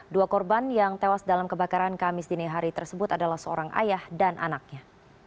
dua korban yang tewas dalam kebakaran kamis dini hari tersebut adalah seorang ayah dan anaknya